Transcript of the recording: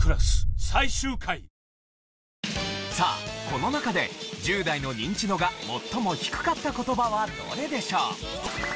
この中で１０代のニンチドが最も低かった言葉はどれでしょう？